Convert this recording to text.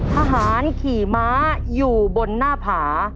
ทหารขี่ม้าอยู่บนหน้าผา